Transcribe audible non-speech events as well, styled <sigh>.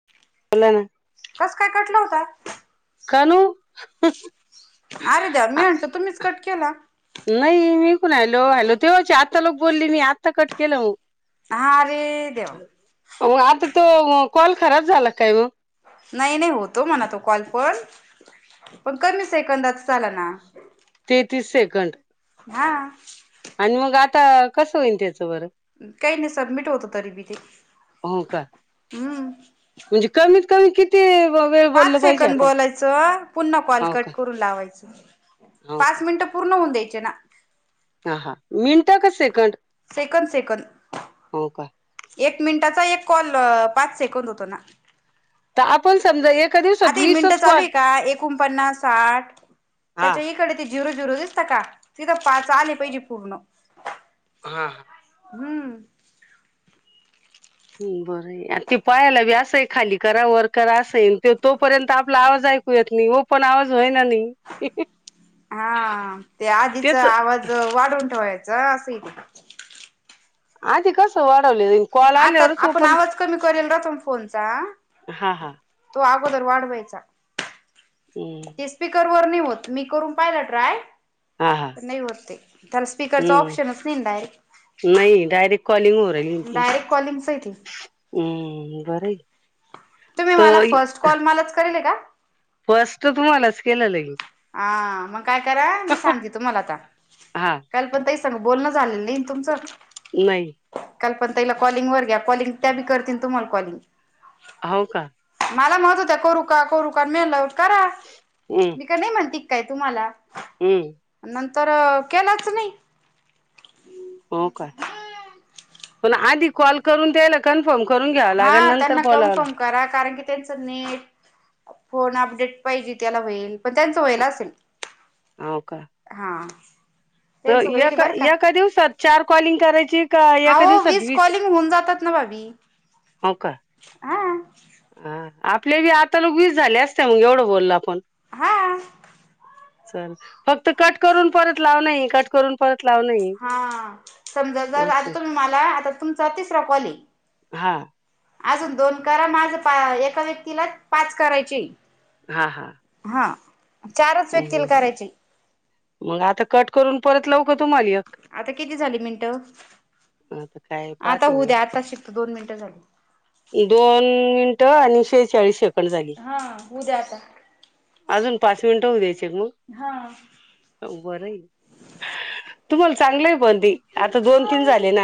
<inaudible> बोला नां! कसं काय कटलां होता? कानू. अरे देवा मी म्हटल तुम्हीच कट केला! नाही मी इकून हॅलो, हॅलो तेव्हाची आता लोक बोलली मी आ ता कट केलं हो! हा रे देवा. मं आता तो कॉल खराब झाला काय ओ. नही, नही होतो म्हणा तो कॉल पण, पण कमी सेकंदात झाला ना! तेहतीस सेकंड! हा! आणि मग आता कसं होईन त्याचं बरं. काही नाही सबमिट होत तरी बी ते, हो का हूं! म्हणजे कमीत कमी कि पाच सेकंद बोलायचं, पुन्हा कॉल हो कट का करून लावायचं हो पाच का मिनिटं पूर्ण होऊन द्यायचे ना? हा हा मिनटं का सेकंद? सेकंद सेकंद एक मिनिटाचा एक कॉल, पाच सेकंद होतो ना? तर आपण समजा एक आता ही मिनटं चालूय का? एकोणपन्नास साठ हा त्याच्या इकडं ते झिरू झिरू दिसत का? तिथं पाच आले पाहिजे, पूर्ण हा हा हम्म ह बरंय आ ते पाहायला बी असंय खाली करा वर करा असय ते तोपर्यंत आपला आवाजऐक यात नायी वो पण आवाज होय ना नायी हा ते आधीचा तेच आवाज वाढवून ठोया जा असती आधी कसं वाढवलेलय? आता आपण आवाज कमी करेल राहतो ना फोनचा? हा हा तो अगोदर वाढवायचा हम्म ते स्पीकर वर नायी होत, मी करून पाहिला ट्राय हा हा नाही होत ते त्याला स्पीकरचं ऑप्शनच नायी ना डायरेक्ट नायी डायरेक्ट कॉलिंग होऊ राहिलीना ती डायरेक्ट कॉलिंगच आहे ते. बरंय तुम्ही मला फर्स्ट कॉल मलाच करेलय का? फस्ट तुम्हालाच केलेलय आ मग काय करा, मी सांगते तुम्हाला आता हा कोणत्या ताईसंग बोलणं झालेलं नायी ना तुमचं? नाही कल्पना ताईला कॉलिंग वर घ्या, कॉलिंग त्या बी करतील तुम्हाला कॉलिंग हाव का? मला म्हणत होत्या, करु का? करु का? मी म्हणलं करा हम् मी काय नायी म्हणती का काय तुम्हाला? हम् नंतर केलाच नायी हो काय, पण आधी कॉल करून त्यायला कन्फर्म करून घ्यावं लागल हा नंतर त्यांना बोलाव लागल कन्फर्म करा कारण की, त्यांच नेट फोन अपडेट पाहिजे त्याला होईल पण त्यांचं व्हायल असेल हाव का? हा तर त्यांचं होईल एका बरं का एका दिवसात चार कॉलिंग करायची का एका आवो दिवसात वीस कॉलिंग होऊन जातात ना भाभी, हो का हा हा आपल्या बी आता लोक वीस झाले असत्याल, एवढं बोललो आपण‌ हा चल फक्त कट करून परत लावनयी कट करून परत लावनायी हा समजा, जर आ तुही मला आता तुमचा तिसरा कॉलय हा आजूक दोन करा, माझ एका व्यक्तीला पाच करायचेय. हा हा हां चारच व्यक्तीला हम्म. करायचे. मग आता कट करून परत लावू का तुम्हाला एक? आता किती झाले मिनिट आता काय आता पाहते होऊ मी हो. द्या आता शिक दोन मिनट झाली. दोन मिनिट आणि शेहचाळीस सेकंद. झाली हा उद्या आता अजून पाच मिनिट होऊ द्यायचे का मग? हा. अ बरय. तुम्हाला चांगलय पण ते आता दोन तीन झाले.